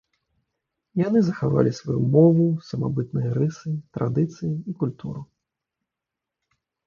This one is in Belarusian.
Яны захавалі сваю мову, самабытныя рысы, традыцыі і культуру.